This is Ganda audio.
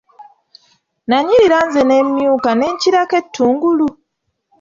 Nanyirira nze ne mmyuka ne nkirako ettungulu!